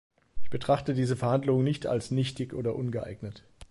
Ich betrachte diese Verhandlungen nicht als nichtig oder ungeeignet.